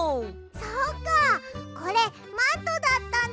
そっかこれマントだったんだ。